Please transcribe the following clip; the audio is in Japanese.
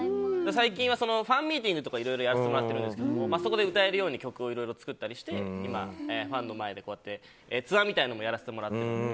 最近はファンミーティングとかいろいろやらせてもらってるんですけどそこで歌えるように曲を作ったり今、ファンの前でこうやってツアーみたいなのもやらせてもらって。